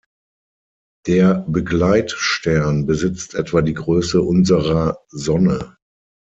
Der Begleitstern besitzt etwa die Größe unserer Sonne.